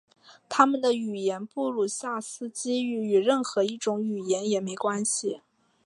他们的语言布鲁夏斯基语与任何一种语言也没关系。